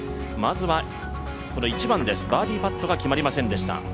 まずはこの１番です、バーディーパットが決まりませんでした。